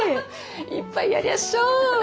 １杯やりましょう。